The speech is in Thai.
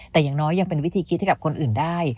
แต่อย่างน้อยยังเป็นวิธีคิดให้กับคนอื่นได้